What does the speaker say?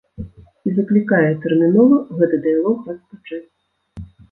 І заклікае тэрмінова гэты дыялог распачаць.